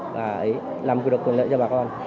và ấy làm được quyền lợi cho bà con